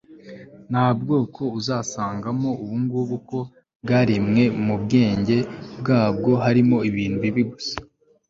nta bwoko uzasangamo ngo ubu ngubu uko bwaremwe mu bwenge bwabwo harimo ibintu bibi gusa .